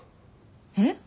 えっ？